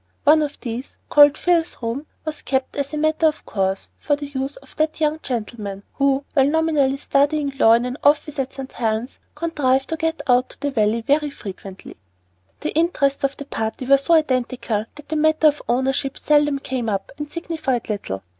One of these, called "Phil's room," was kept as a matter of course for the use of that young gentleman, who, while nominally studying law in an office at St. Helen's, contrived to get out to the Valley very frequently. The interests of the party were so identical that the matter of ownership seldom came up, and signified little.